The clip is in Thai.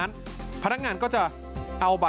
โทษภาพชาวนี้ก็จะได้ราคาใหม่